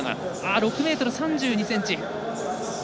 ６ｍ３２ｃｍ。